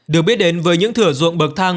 được biết đến với những thửa ruộng bậc thang